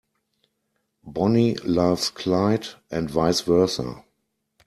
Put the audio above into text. Bonnie loves Clyde and vice versa.